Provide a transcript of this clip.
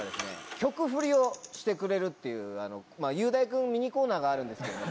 曲フリをしてくれるっていう雄大君ミニコーナーがあるんですけれども。